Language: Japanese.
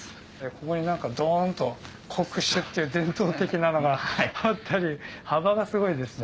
ここに何かドンっと國酒って伝統的なのがあったり幅がすごいですね。